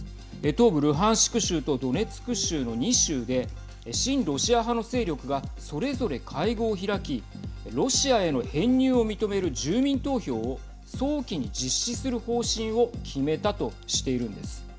東部ルハンシク州とドネツク州の２州で親ロシア派の勢力がそれぞれ会合を開きロシアへの編入を認める住民投票を早期に実施する方針を決めたとしているんです。